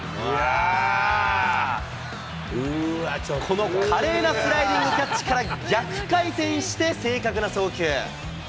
この華麗なスライディングキャッチから、逆回転して正確な送球。